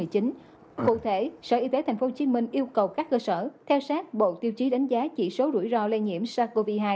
cụ thể sở y tế tp hcm yêu cầu các cơ sở theo sát bộ tiêu chí đánh giá chỉ số rủi ro lây nhiễm sars cov hai